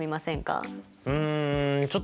うんちょっと